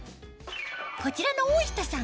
こちらの大下さん